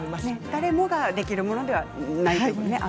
誰もができることではないということですね。